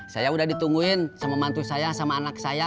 saya udah ditungguin sama mantu saya sama anak saya